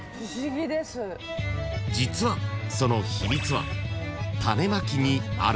［実はその秘密は］